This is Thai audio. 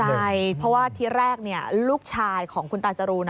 เห็นใจเพราะว่าที่แรกเนี่ยลูกชายของคุณตาจรูน